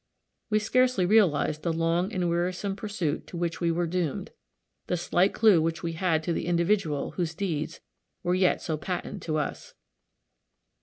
We scarcely realized the long and wearisome pursuit to which we were doomed the slight clue which we had to the individual whose deeds were yet so patent to us.